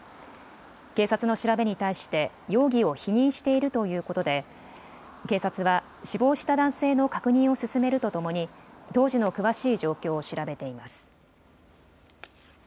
警察の調べに対して容疑を否認しているということで警察は死亡した男性の確認を進めるとともに当時の詳しい状況を調べています。